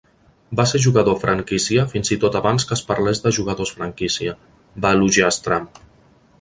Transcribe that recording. "Va ser jugador franquícia fins i tot abans que es parlés de jugadors franquícia", va elogiar Stram.